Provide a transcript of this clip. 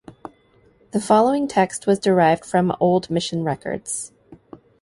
The following text was derived from old Mission records.